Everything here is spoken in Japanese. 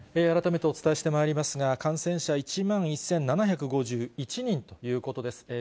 改めてお伝えしてまいりますが、感染者１万１７５１人ということです。